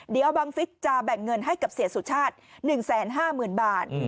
เดี๋ยวบังฟิศจะแบ่งเงินให้กับเสียสุชาติ๑๕๐๐๐บาท